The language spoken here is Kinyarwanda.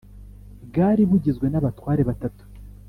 bwari bugizwe n abatware batatu